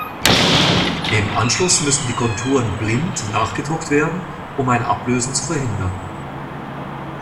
Im Anschluss müssen die Konturen blind nachgedruckt werden, um ein Ablösen zu verhindern.